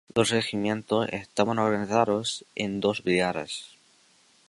Los regimientos estaban organizados en dos brigadas.